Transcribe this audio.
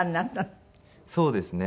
そうですね。